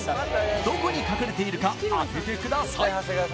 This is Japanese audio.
どこに隠れているか当ててください